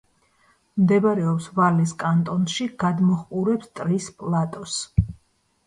მდებარეობს ვალეს კანტონში, გადმოჰყურებს ტრის პლატოს.